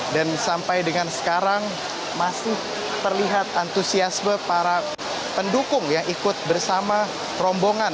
dan sampai dengan sekarang masih terlihat antusiasme para pendukung yang ikut bersama rombongan